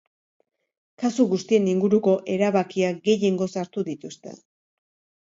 Kasu guztien inguruko erabakiak gehiengoz hartu dituzte.